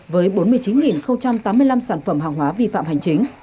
với bốn mươi chín tám mươi năm sản phẩm hàng hóa vi phạm hành chính